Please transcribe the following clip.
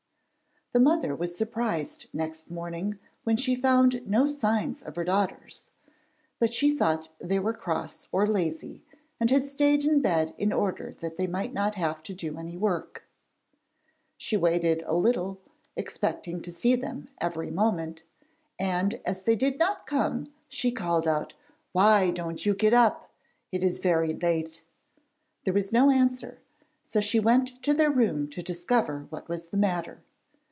The mother was surprised next morning when she found no signs of her daughters, but she thought they were cross or lazy, and had stayed in bed in order that they might not have to do any work. She waited a little, expecting to see them every moment, and as they did not come she called out, 'Why don't you get up? it is very late.' There was no answer, so she went to their room to discover what was the matter.